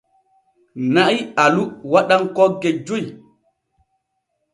Na'i alu waɗan kogge joy.